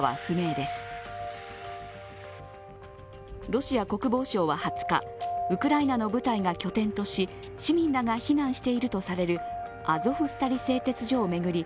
ロシア国防省は２０日、ウクライナの部隊が拠点とし、市民らが避難しているとされるアゾフスタリ製鉄所を巡り